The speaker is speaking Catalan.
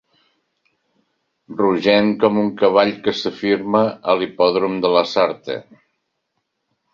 Rogenc com un cavall que s'afirma a l'hipòdrom de Lasarte.